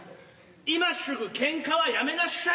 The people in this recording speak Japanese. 今しゅぐケンカはやめなしゃい。